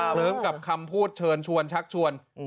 พร้อมกับคำพูดเชิญชวนชักชวน